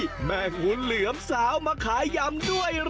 โอ้โฮแม่หุ่นเหลือมสาวมาขายยำด้วยเหรอ